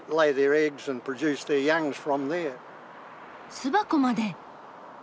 巣箱まで！